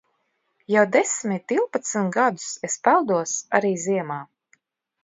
Jau desmit divpadsmit gadus es peldos arī ziemā.